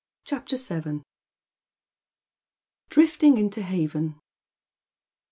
CHAPTER Vn. ' DRIFTING INTO HAVEN.